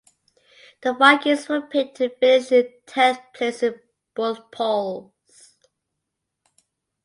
The Vikings were picked to finish in tenth place in both polls.